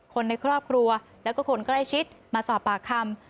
คนในครอบครัวแล้วก็คนใกล้ชิดมาสอบปากคำ